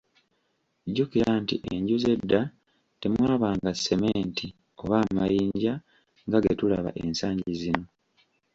Jjukira nti enju z’edda temwabanga ssementi oba amayinja nga ge tulaba ensangi zino.